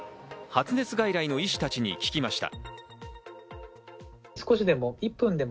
発熱外来の医師たちに聞きました。